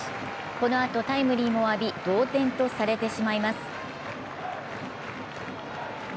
このあとタイムリーも浴び同点とされてしまいます。